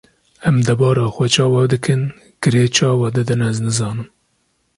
Em debara xwe çawa dikin, kirê çawa didin ez nizanim.